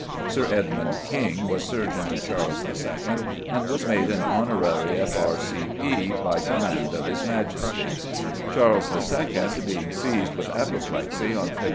=Sir Edmund King= was surgeon to Charles II., and was made an honorary F.R.C.P. by command of His Majesty. Charles II. being seized with apoplexy on Feb.